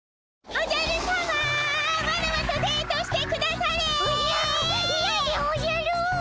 おじゃいやでおじゃる。